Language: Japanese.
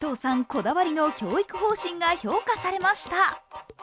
こだわりの教育方針が評価されました。